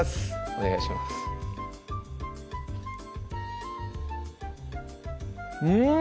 お願いしますうん！